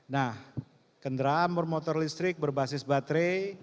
nah kendaraan bermotor listrik berbasis baterai